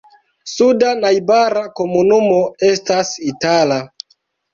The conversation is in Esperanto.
Suda najbara komunumo estas Itala.